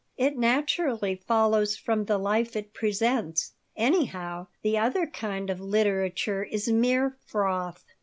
"It naturally follows from the life it presents. Anyhow, the other kind of literature is mere froth.